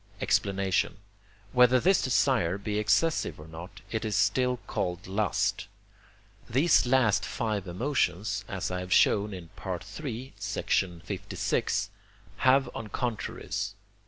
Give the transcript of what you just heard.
Explanation Whether this desire be excessive or not, it is still called lust. These last five emotions (as I have shown in III. lvi.) have on contraries.